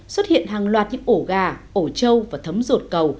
xuất hiện hàng loạt những ổ gà ổ trâu và thấm rột cầu